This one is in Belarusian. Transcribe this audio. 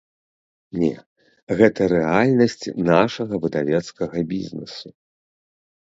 Не, гэта рэальнасць нашага выдавецкага бізнесу.